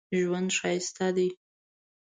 ژوند ښایسته دی